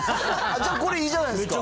じゃあ、これ、いいじゃないですか。